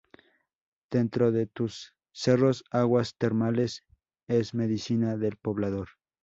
Dentro de tus cerros Aguas Termales, es medicina del poblador.